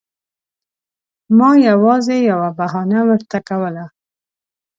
ما یوازې یوه بهانه ورته کوله.